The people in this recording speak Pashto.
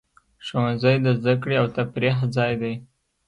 ښوونځی د زده کړې او تفریح ځای دی.